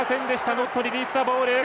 ノットリリースザボール。